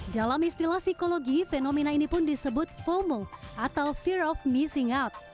dalam istilah psikologi fenomena ini pun disebut fomo atau fear of missing out